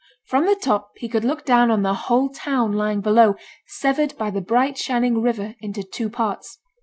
From the top he could look down on the whole town lying below, severed by the bright shining river into two parts.